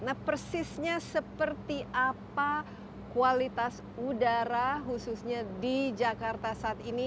nah persisnya seperti apa kualitas udara khususnya di jakarta saat ini